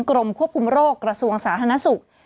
กรมควบคุมโรคกระทรวงสาธารณสุข